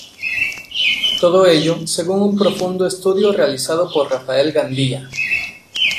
Todo ello según un profundo estudio realizado por Rafael Gandía.